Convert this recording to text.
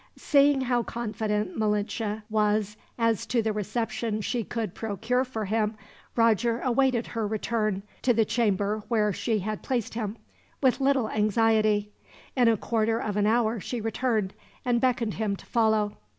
Seeing how confident Malinche was as to the reception she could procure for him, Roger awaited her return, to the chamber where she had placed him, with little anxiety. In a quarter of an hour she returned, and beckoned him to follow.